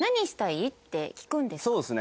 そうですね。